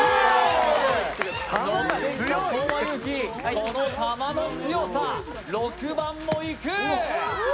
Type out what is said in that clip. この球の強さ、６番もいく。